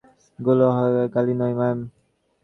ওগুলো হালকাপাতলা গালি নয় ম্যাম।